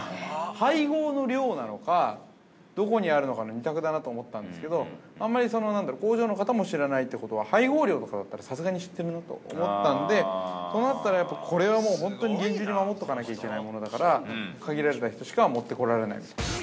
◆配合の量なのか、どこにあるのかの２択だなと思ったんですけど、あんまり工場の方も知らないということは、配合量とかだったら、さすがに知っているなと思ったんで、となったら、これは本当に厳重に守っておかなきゃいけないものだから、限られた人だけしか持ってこられない。